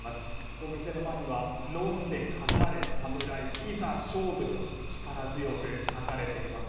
お店の前にはのんでかかれ侍いざ勝負！と力強く書かれています。